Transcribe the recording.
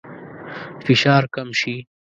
فشار کم شي.